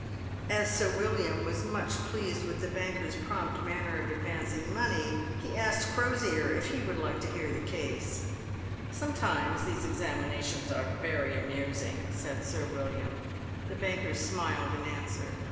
As Sir William was much pleased with the banker's prompt manner of advancing money, he asked Crosier if he would like to hear the case. " Sometimes these examinations are very amusing," said Sir "William. The banker smiled in answer.